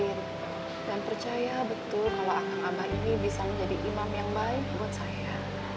karena saya yakin dan percaya betul kalau akang abah ini bisa menjadi imam yang baik buat saya